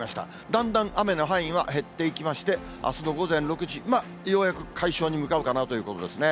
だんだん雨の範囲は減っていきまして、あすの午前６時、ようやく解消に向かうかなというところですね。